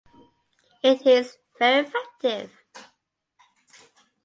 it is very effective.